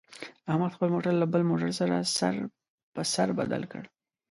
احمد خپل موټر له بل موټر سره سر په سر بدل کړ.